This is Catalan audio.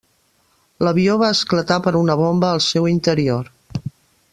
L'avió va esclatar per una bomba al seu interior.